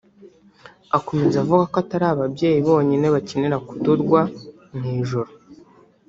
Akomeza avuga ko atari ababyeyi bonyine bakenera kudodwa mu ijoro